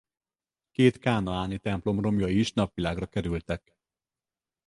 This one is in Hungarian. Két kánaáni templom romjai is napvilágra kerültek.